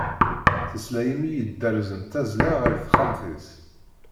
Tesla imir i dderz n tazla ɣer texxamt-is.